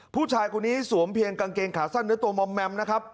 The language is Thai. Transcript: ผู้ชายคนนี้สวมเพียงกางเกงขาสั้นเนื้อตัวมอมแมมนะครับ